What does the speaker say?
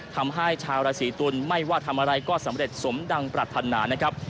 ทำให้ชาวราศีตุลไม่ว่าทำอะไรก็สำเร็จสมดังปรัฐนานะครับ